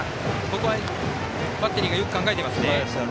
ここはバッテリーがよく考えていますね。